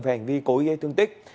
về hành vi cố ý gây thương tích